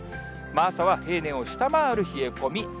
朝は平年を下回る冷え込み。